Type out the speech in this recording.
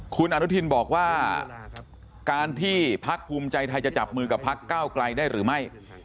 คุณอนุทินบอกว่าการที่พักภูมิใจไทยจะจับมือกับพักเก้าไกลได้หรือไม่